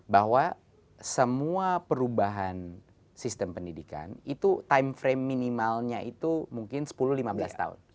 bahwa semua perubahan sistem pendidikan itu time frame minimalnya itu mungkin sepuluh lima belas tahun